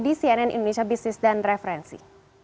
di cnn indonesia business dan referensi